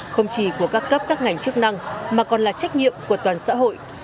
không chỉ của các cấp các ngành chức năng mà còn là trách nhiệm của toàn xã hội